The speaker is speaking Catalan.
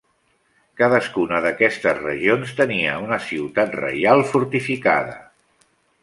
Cadascuna d'aquestes regions tenia una ciutat reial fortificada.